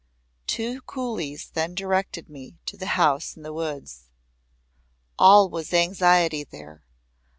Two coolies then directed me to The House in the Woods. All was anxiety there.